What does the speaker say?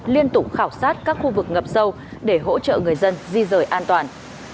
liên tục khảo sát các khu vực ngập sâu để hỗ trợ người dân di rời an toàn